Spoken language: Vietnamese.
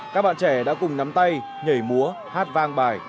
các bạn trẻ đã cùng nắm tay nhảy múa hát vang bài